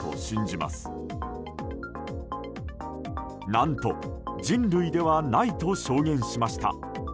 何と人類ではないと証言しました。